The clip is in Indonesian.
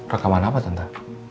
rekaman apa tante